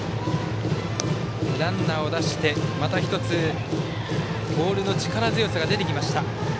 ランナーを出してまた１つボールの力強さが出てきました。